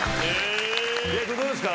三宅君どうですか？